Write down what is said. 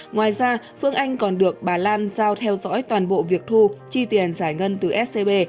ngoài ra phương anh còn được bà lan giao theo dõi toàn bộ việc thu chi tiền giải ngân từ scb